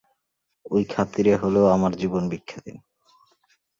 ওই খাতিরে হলেও আমার জীবন ভিক্ষা দিন।